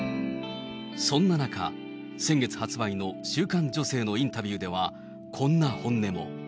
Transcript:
そんな中、先月発売の週刊女性のインタビューでは、こんな本音も。